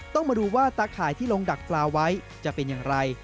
ต้องมาดูว่าตาข่ายที่ลงดักปลาไว้จะเป็นอย่างไร